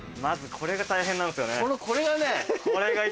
これが大変なんですよ。